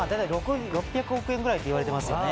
６００億円ぐらいと言われてますね。